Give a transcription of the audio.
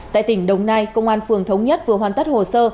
tại tỉnh đồng nai công an phường thống nhất vừa hoàn tất hồ sơ